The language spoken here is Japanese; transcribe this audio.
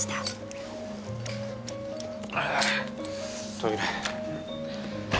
トイレ。